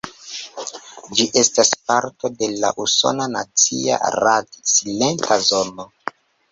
Ĝi estas parto de la Usona Nacia Radi-Silenta Zono.